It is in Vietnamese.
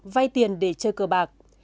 vay tiền để chơi cờ bạc